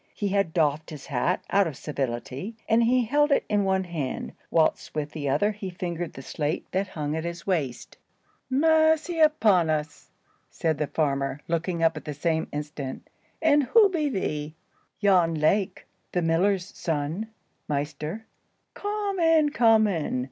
He had doffed his hat, out of civility, and he held it in one hand, whilst with the other he fingered the slate that hung at his waist. "Massey upon us!" said the farmer, looking up at the same instant. "And who be thee?" "Jan Lake, the miller's son, maester." "Come in, come in!"